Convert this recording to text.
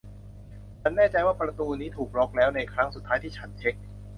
ฉันแน่ใจว่าประตูนี้ถูกล็อคแล้วในครั้งสุดท้ายที่ฉันเช็ค